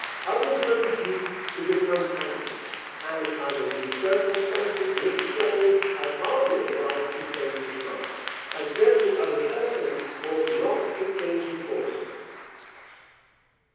Others were induced to become candidates, and under these circumstances Mr. Blaine has hardly the right to change his mind, and certainly other persons ought not to change it for him.